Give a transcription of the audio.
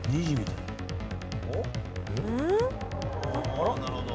ああなるほど。